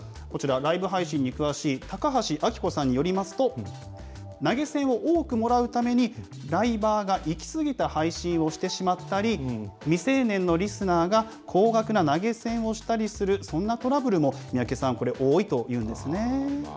こちら、ライブ配信に詳しい高橋暁子さんによりますと、投げ銭を多くもらうために、ライバーが行き過ぎた配信をしてしまったり、未成年のリスナーが、高額な投げ銭をしたりする、そんなトラブルも三宅さん、これ、多いというんですね。